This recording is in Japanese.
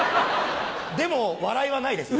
でも笑いはないですよね？